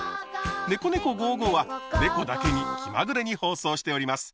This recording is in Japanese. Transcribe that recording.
「ねこねこ５５」はねこだけに気まぐれに放送しております。